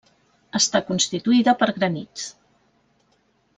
Està constituïda per granits.